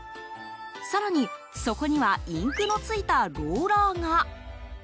更に、底にはインクの付いたローラーが。